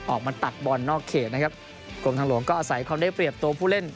ตักบอลนอกเขตนะครับกรมทางหลวงก็อาศัยความได้เปรียบตัวผู้เล่น